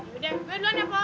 yaudah gue duluan ya pak